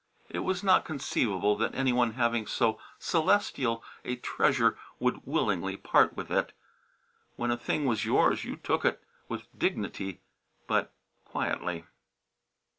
It was not conceivable that any one having so celestial a treasure would willingly part with it. When a thing was yours you took it, with dignity, but quietly.